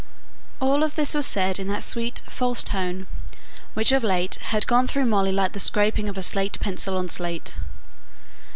All this was said in that sweet, false tone which of late had gone through Molly like the scraping of a slate pencil on a slate.